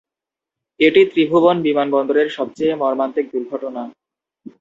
এটি ত্রিভুবন বিমানবন্দরের সবচেয়ে মর্মান্তিক দুর্ঘটনা।